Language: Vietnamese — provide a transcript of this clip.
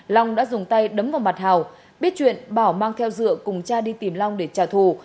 long đã dùng tay đấm vào mặt hào biết chuyện bảo mang theo dựa cùng cha đi tìm long để trả thù